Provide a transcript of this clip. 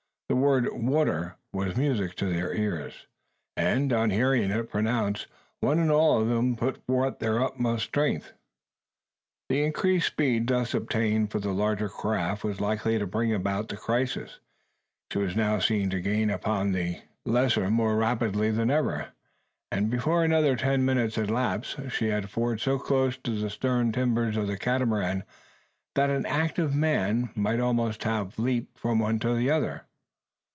The word "water" was music to their ears; and, on hearing it pronounced, one and all of them put forth their utmost strength. The increased speed thus obtained for the larger craft war likely to bring about the crisis. She was now seen to gain upon the lesser more rapidly than ever; and, before another ten minutes had elapsed, she had forged so close to the stern timbers of the Catamaran that an active man might almost have leaped from one to the other.